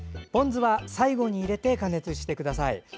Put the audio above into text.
ポン酢は最後に入れて加熱してください。